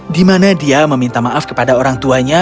di mana dia meminta maaf kepada orang tuanya